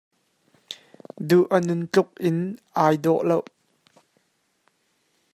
Duh a nun tluk in aa dawh lo.